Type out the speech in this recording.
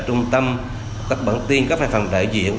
trung tâm các bản tin các phần đại diện